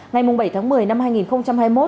ngày bảy tháng một mươi năm hai nghìn hai mươi một